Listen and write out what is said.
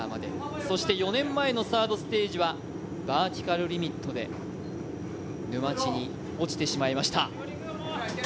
そして４年前のサードステージはバーティカルリミットで沼地に落ちてしまいました。